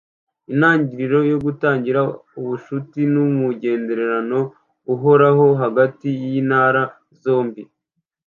Intangiriro yo gutangira ubucuti n’umugenderano uhoraho hagati y’Intara zombie